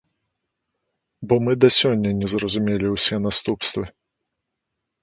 Бо мы да сёння не зразумелі ўсе наступствы.